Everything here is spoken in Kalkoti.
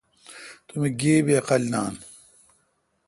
تو مے°گیبی عقل نان۔